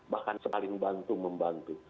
bahkan paling bantu membantu